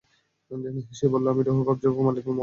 সে বলল, আমি রূহ কবজকারী মালাকুল মওত।